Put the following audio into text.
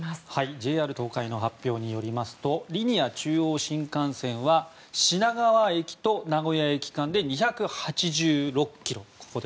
ＪＲ東海の発表によりますとリニア中央新幹線は品川駅と名古屋駅間で２８６ｋｍ